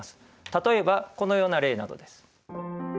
例えばこのような例などです。